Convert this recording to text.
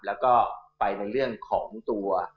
แล้วก็ไปในเรื่องของตัว